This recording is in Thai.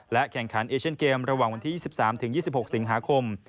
แข่งขันเอเชียนเกมระหว่างวันที่๒๓๒๖สิงหาคม